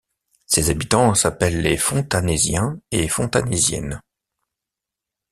Ses habitants s'appellent les Fontanèsiens et Fontanèsiennes.